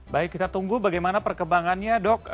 baik kita tunggu bagaimana perkembangannya dok